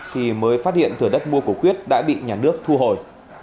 thì mới phát hiện thửa đất mua của quyết đã bị nhà nước thu hồi